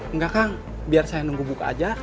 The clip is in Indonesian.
enggak kang biar saya nunggu buka aja